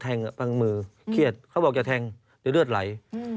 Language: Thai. บางมือเครียดเขาบอกอย่าแทงเดี๋ยวเลือดไหล